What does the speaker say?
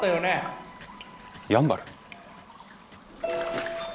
やんばる？